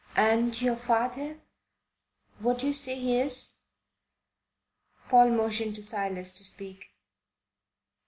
"And your father, what do you say he is?" Paul motioned to Silas to speak.